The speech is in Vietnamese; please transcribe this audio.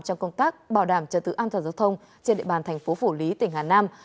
trong công tác bảo đảm trật tự an toàn giao thông trên địa bàn thành phố phủ lý tỉnh hà nam